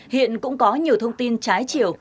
hiện cũng có nhiều thông tin trái chiều